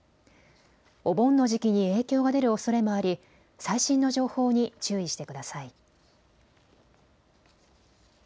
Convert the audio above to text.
お盆の時期に影響が出るおそれもあり、最新の情報に注意してください。